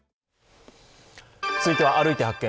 続いては、「歩いて発見！